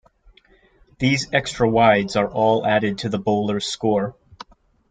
These extra wides are all added to the bowler's score.